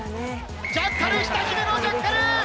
ジャッカルきた、姫野、ジャッカル。